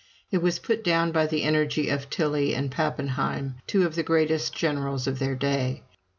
It was put down by the energy of Tilly and Pappenheim, two of the greatest generals of their day.